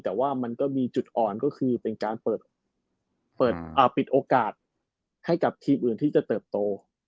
แต่ว่ามันก็มีจุดอ่อนก็คือเป็นการเปิดปิดโอกาสให้กับทีมอื่นที่จะเติบโต